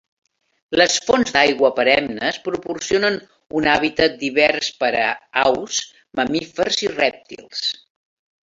Les fonts d'aigua perennes proporcionen un hàbitat divers per a aus, mamífers i rèptils.